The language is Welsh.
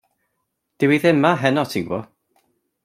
Dyw hi ddim 'ma heno ti'n gw'bod.